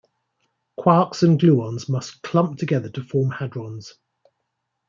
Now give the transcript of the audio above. Quarks and gluons must clump together to form hadrons.